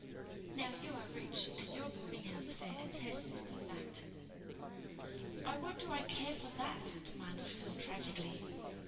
Now, you are rich and your boardinghouse fare attests the fact." "Oh, what do I care for that?" demanded Phil tragically.